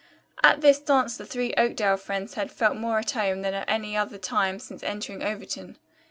At this dance the three Oakdale friends had felt more at home than at any other time since entering Overton.